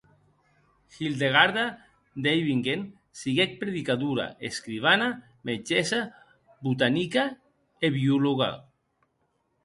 Hildegarda d'Eibingen siguec predicadora, escrivana, metgèssa, botanica e biològa.